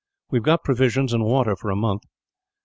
We have got provisions and water for a month.